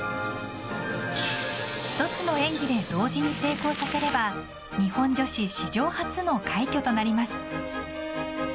１つの演技で同時に成功させれば日本女子史上初の快挙となります。